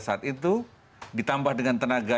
saat itu ditambah dengan tenaga